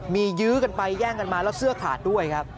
มียื้อกันไปแย่งกันมาแล้วเสื้อขาดด้วยครับ